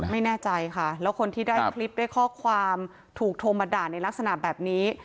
ไม่แน่ใจค่ะแล้วคนที่ได้คลิปได้ข้อความถูกโทรมาด่าในลักษณะแบบนี้